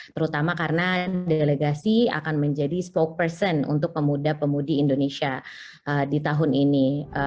terutama karena delegasi akan menjadi spoke person untuk pemuda pemudi indonesia di tahun ini